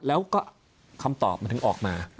แล้วก็คำตอบมันถึงออกมา